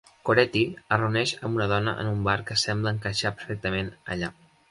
Coretti es reuneix amb una dona en un bar que sembla encaixar perfectament allà.